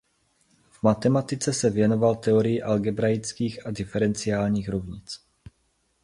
V matematice se věnoval teorii algebraických a diferenciálních rovnic.